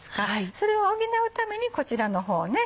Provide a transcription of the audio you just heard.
それを補うためにこちらの方をね